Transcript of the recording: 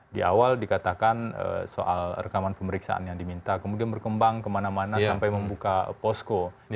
di awal dikatakan soal rekaman pemeriksaan yang diminta kemudian berkembang kemana mana sampai membuka posko